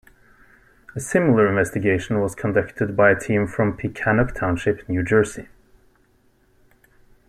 A similar investigation was conducted by a team from Pequannock Township, New Jersey.